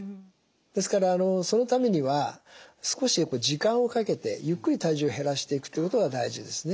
ですからそのためには少し時間をかけてゆっくり体重を減らしていくということが大事ですね。